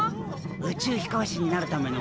宇宙飛行士になるための訓練じゃ。